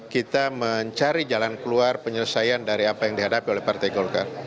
kita mencari jalan keluar penyelesaian dari apa yang dihadapi oleh partai golkar